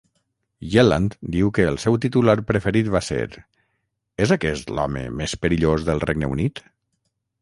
Yelland diu que el seu titular preferit va ser És aquest l'home més perillós del Regne Unit?